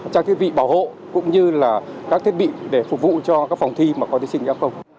trang thiết bị bảo hộ cũng như là các thiết bị để phục vụ cho các phòng thi mà có thí sinh giao thông